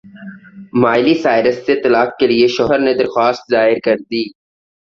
Miley Cyrus سے طلاق کے لیے شوہر نے درخواست دائر کردی